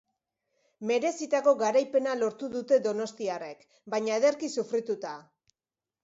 Merezitako garaipena lortu dute donostiarrek, baina ederki sufrituta.